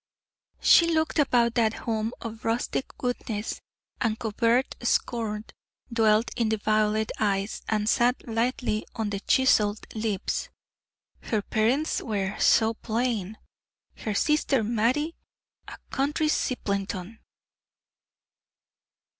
She looked about that home of rustic goodness, and covert scorn dwelt in the violet eyes and sat lightly on the chiseled lips; her parents were "so plain," her sister Mattie "a country simpleton."